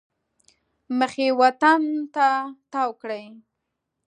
مخ یې وطن ته تاو کړی.